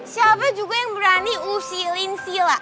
siapa juga yang berani usilin sila